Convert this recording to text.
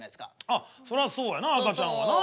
ああそらそうやな赤ちゃんはな。